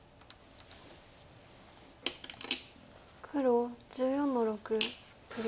黒１４の六取り。